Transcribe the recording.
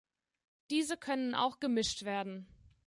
Diese können auch gemischt werden.